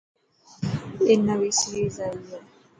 اي نوي سيريز اي هي.